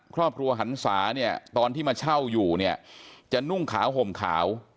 หันศาเนี่ยตอนที่มาเช่าอยู่เนี่ยจะนุ่งขาวห่มขาว